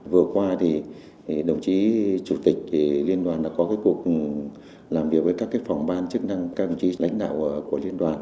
vừa qua thì đồng chí chủ tịch liên đoàn đã có cuộc làm việc với các phòng ban chức năng các đồng chí lãnh đạo của liên đoàn